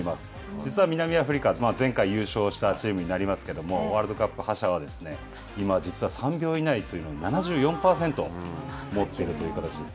実は南アフリカ、前回優勝したチームになりますけども、ワールドカップ覇者は今、実は３秒以内というのを７４％持っているという形です。